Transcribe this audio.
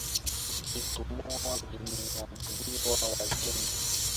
Vitumbua vimeandaliwa wageni